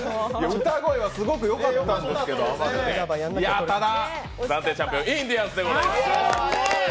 歌声はすごくよかったんですけどただ、暫定チャンピオン、インディアンスです。